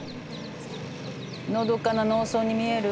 のどかな農村に見える？